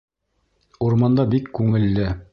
Урманда бик күңелле.